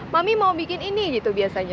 mami mau bikin ini gitu biasanya